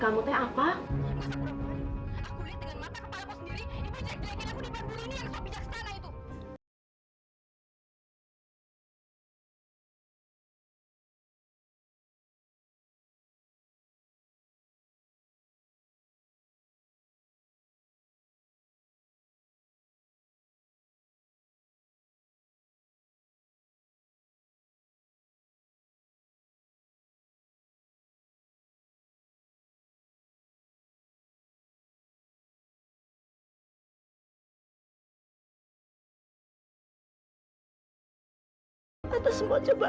maksud kamu teh apa